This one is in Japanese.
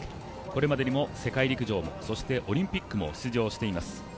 これまでにも世界陸上もオリンピックも出場しています。